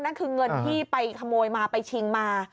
นั่นคือเงินที่ไปขโมยมาไปชิงมา